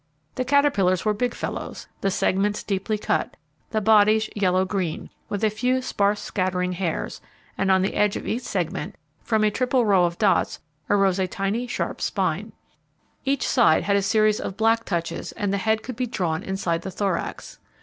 The caterpillars were big fellows; the segments deeply cut; the bodies yellow green, with a few sparse scattering hairs, and on the edge of each segment, from a triple row of dots arose a tiny, sharp spine. Each side had series of black touches and the head could be drawn inside the thorax.